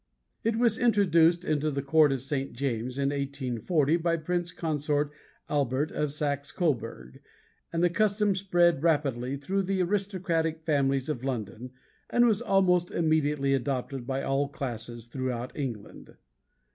It was introduced into the Court of St. James in 1840 by Prince Consort Albert of Saxe Cobourg, and the custom spread rapidly through the aristocratic families of London and was almost immediately adopted by all classes throughout England.